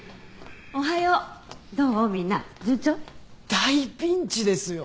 大ピンチですよ。